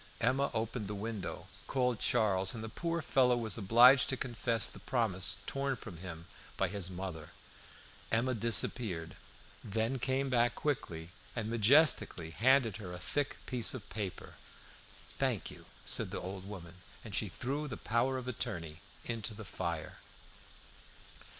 Emma opened the window, called Charles, and the poor fellow was obliged to confess the promise torn from him by his mother. Emma disappeared, then came back quickly, and majestically handed her a thick piece of paper. "Thank you," said the old woman. And she threw the power of attorney into the fire.